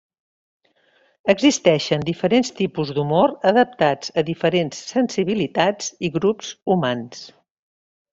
Existeixen diferents tipus d'humor adaptats a diferents sensibilitats i grups humans.